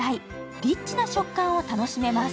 リッチな食感を楽しめます。